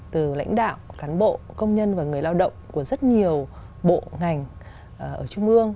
từ lãnh đạo cán bộ công nhân và người lao động của rất nhiều bộ ngành ở trung ương